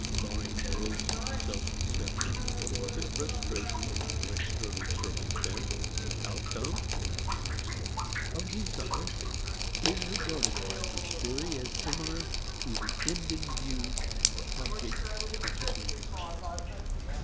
Barring gross self deception or the frustration of external circumstance, the outcome, or end result, of desire is regarded by this theory as similar to the end in view or object consciously desired.